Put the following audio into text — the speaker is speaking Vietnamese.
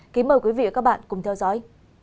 kính mời quý vị và các bạn cùng theo dõi